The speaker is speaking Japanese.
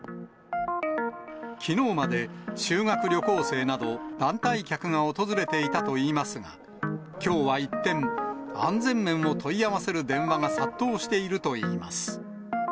きのうまで、修学旅行生など団体客が訪れていたといいますが、きょうは一転、安全面を問い合わせる電話が殺到しているといいます。